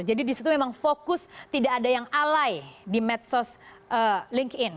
jadi di situ memang fokus tidak ada yang alay di medsos linkedin